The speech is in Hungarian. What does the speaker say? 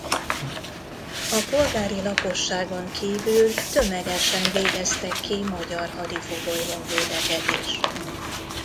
A polgári lakosságon kívül tömegesen végeztek ki magyar hadifogoly honvédeket is.